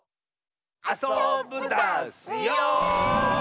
あそぶダスよ！